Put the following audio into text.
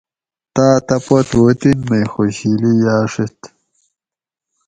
تاتہ پت وطن مئی خوشیلی یاڛیت